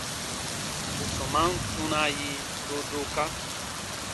Bù sɔmaan kpunaa yi doodooka.